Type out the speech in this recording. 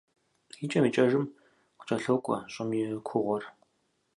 ИкӀэм-икӀэжым къыкӀэлъокӀуэ щӀым и кугъуэр.